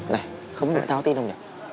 này không được tao tin không nhỉ